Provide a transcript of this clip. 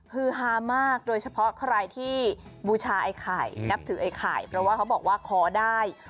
ฮือฮามากโดยเฉพาะใครที่บูชาไอ้ไข่นับถือไอ้ไข่เพราะว่าเขาบอกว่าขอได้